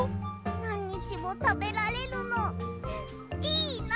なんにちもたべられるのいいなって。